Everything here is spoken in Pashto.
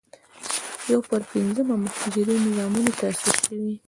یو پر پينځمه مهاجرینو زامنو تاسیس شوې.